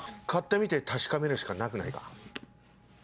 買ってみて確かめるしかなくないか？